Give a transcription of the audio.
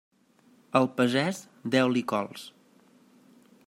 Al pagès, deu-li cols.